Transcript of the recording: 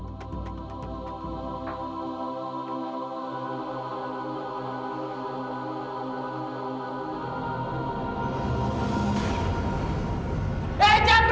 assalamualaikum warahmatullahi wabarakatuh